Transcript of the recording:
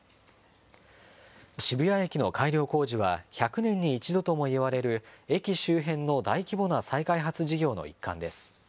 渋谷駅の改良工事は、１００年に一度ともいわれる駅周辺の大規模な再開発事業の一環です。